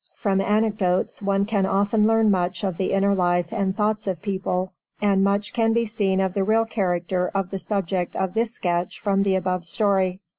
From anecdotes one can often learn much of the inner life and thoughts of people, and much can be seen of the real character of the subject of this sketch from the above story.